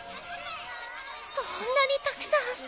こんなにたくさん。